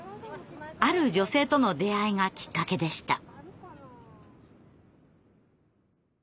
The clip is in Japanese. ある女性との出会いがきっかけでした。